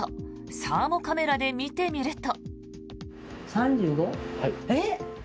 サーモカメラで見てみると。